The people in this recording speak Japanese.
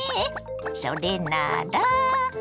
それなら。